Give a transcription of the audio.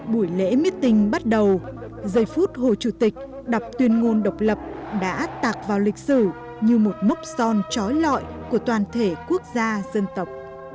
buổi lễ meeting bắt đầu giây phút hồ chủ tịch đập tuyên ngôn độc lập đã tạc vào lịch sử như một mốc son trói lọi của toàn thể quốc gia dân tộc